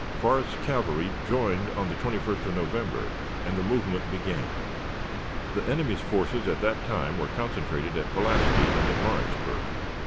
Forrest's cavalry joined on the 21st of November, and the movement began. The enemy's forces at that time were concentrated at Pulaski and at Lawrenceburg.